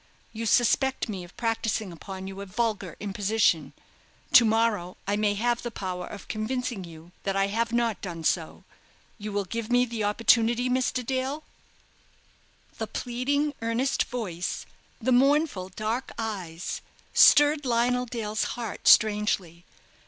You suspect me of practising upon you a vulgar imposition. To morrow I may have the power of convincing you that I have not done so. You will give me the opportunity, Mr. Dale?" The pleading, earnest voice, the mournful, dark eyes, stirred Lionel Dale's heart strangely.